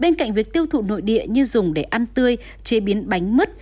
bên cạnh việc tiêu thụ nội địa như dùng để ăn tươi chế biến bánh mứt